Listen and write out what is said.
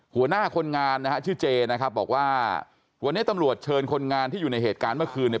หัวหน้าคนงานนะฮะชื่อเจนะครับบอกว่าวันนี้ตำรวจเชิญคนงานที่อยู่ในเหตุการณ์เมื่อคืนเนี่ย